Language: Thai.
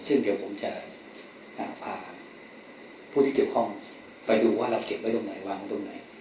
ซึ่งเดี๋ยวผมจะพาผู้ที่เกี่ยวข้องไปดูว่าเราเก็บไว้ตรงไหนวางตรงไหน